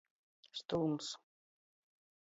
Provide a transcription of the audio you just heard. Stūms.